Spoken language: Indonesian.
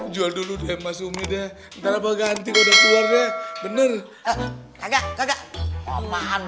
jual dulu deh mas umi deh